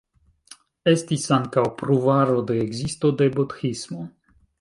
Estis ankaŭ pruvaro de ekzisto de Budhismo.